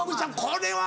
これは。